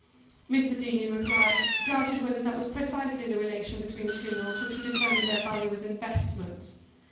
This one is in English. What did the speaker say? Mr Deane, in reply, doubted whether that was precisely the relation between the two mills which would determine their value as investments.